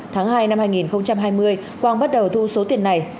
tháng hai năm hai nghìn hai mươi quang bắt đầu thu số tiền này